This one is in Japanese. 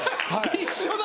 一緒だ。